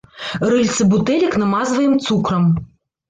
Рыльцы бутэлек намазваем цукрам.